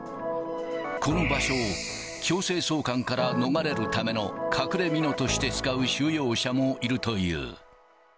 この場所を強制送還から逃れるための隠れみのとして使う収容者もいるという。